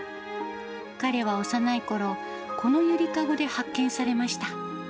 彼は幼いころ、このゆりかごで発見されました。